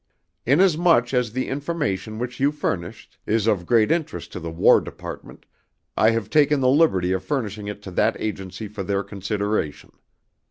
Inasmuch as the information which you furnished is of interest to the War Department I have taken the liberty of furnishing it to that agency for their consideration.